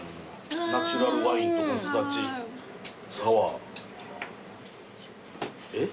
ナチュラルワインとこのすだちサワー。えっ？